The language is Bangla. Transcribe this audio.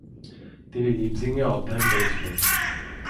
তিনি লিপজিং-এ অধ্যায়ন করেছিলেন।